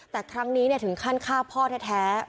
แต่ครั้งนี้ถึงขั้นฆ่าพ่อแท้